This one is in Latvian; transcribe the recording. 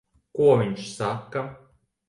Ko viņi saka?